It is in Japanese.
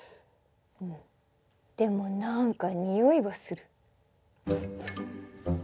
でも何かにおいがする。